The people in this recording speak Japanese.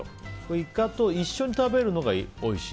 イカと一緒に食べるのがおいしい？